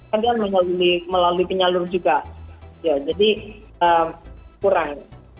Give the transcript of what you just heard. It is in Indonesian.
kadang melalui penyalur juga jadi kurang